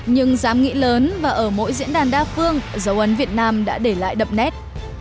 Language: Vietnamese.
nhưng dám nghĩ lớn và ở mỗi diễn đàn đa phương dấu ấn việt nam đã để lại đậm nét